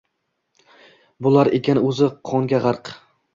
Boʻlar ekan oʻzi qonga gʻarq.